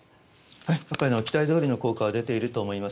やっぱり期待どおりの効果は出ていると思います。